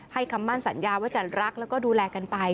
คำมั่นสัญญาว่าจะรักแล้วก็ดูแลกันไป